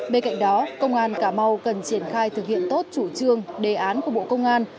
bên cạnh đó công an cà mau cần triển khai thực hiện tốt chủ trương đề án của bộ công an